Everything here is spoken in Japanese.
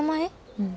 うん。